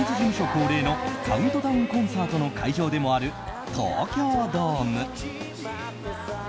恒例のカウントダウンコンサートの会場でもある東京ドーム。